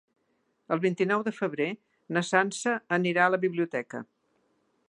El vint-i-nou de febrer na Sança anirà a la biblioteca.